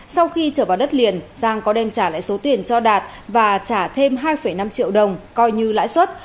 sau khi trở vào đất liền giang có đem trả lại số tiền cho đạt và trả thêm hai năm triệu đồng coi như lãi suất